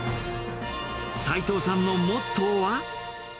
齋藤さんのモットーは。